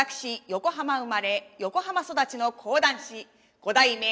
横浜生まれ横浜育ちの講談師五代目